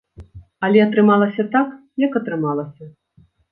Але атрымалася так, як атрымалася.